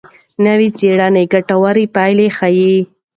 نوې څېړنه ګټورې پایلې ښيي.